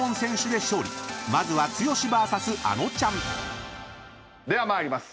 ［まずは剛ＶＳあのちゃん］では参ります。